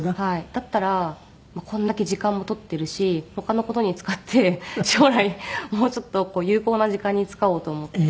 だったらこんだけ時間も取っているし他の事に使って将来もうちょっと有効な時間に使おうと思って。